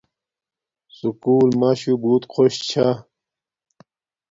سکوُل ماشو بوت خوش چھا